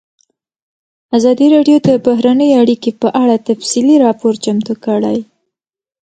ازادي راډیو د بهرنۍ اړیکې په اړه تفصیلي راپور چمتو کړی.